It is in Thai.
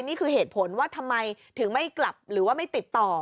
นี่คือเหตุผลว่าทำไมถึงไม่กลับหรือว่าไม่ติดต่อ